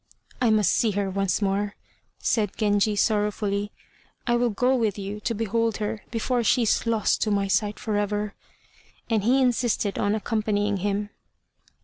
"I must see her once more," said Genji, sorrowfully. "I will go with you to behold her, before she is lost to my sight forever." And he insisted on accompanying him.